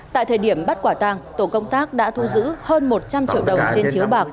tại thời điểm bắt quả tàng tổ công tác đã thu giữ hơn một trăm linh triệu đồng trên chiếu bạc